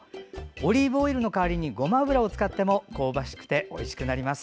オリーブオイルの代わりにごま油を使っても香ばしくておいしくなります。